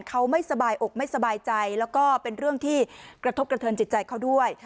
เขาไม่สบายอกไม่สบายใจแล้วก็เป็นเรื่องที่กระทบกระเทินจิตใจเขาด้วย